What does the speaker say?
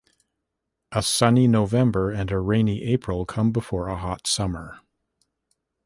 A sunny November and a rainy April come before a hot summer.